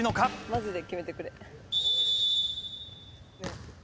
マジで決めてくれ。